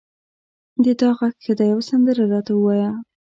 د تا غږ ښه ده یوه سندره را ته ووایه